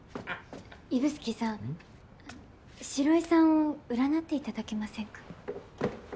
指宿さん城井さんを占っていただけませんか？